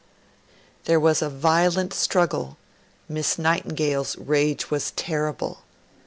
There was a violent struggle; Miss Nightingale's rage was terrible.